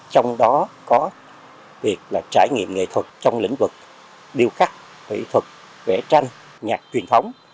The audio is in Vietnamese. trong đó có việc trải nghiệm nghệ thuật trong lĩnh vực điêu khắc thủy thuật vẽ tranh nhạc truyền thống